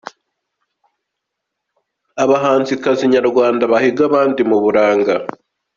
Abahanzikazi nyarwanda bahiga abandi mu buranga.